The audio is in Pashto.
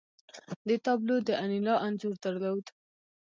دې تابلو د انیلا انځور درلود